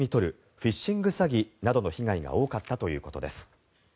フィッシング詐欺などの被害が多かったということです。